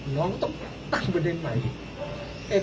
น้องต้องตั้งประเด็นใหม่